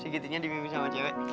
segininya dimimpin sama cewek